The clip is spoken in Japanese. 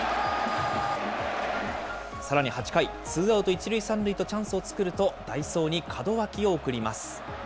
さらに８回、ツーアウト１塁３塁とチャンスを作ると、代走に門脇を送ります。